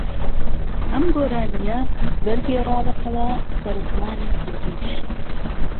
ئەم گۆرانییە وەرگێڕاوەتەوە سەر زمانی کوردیش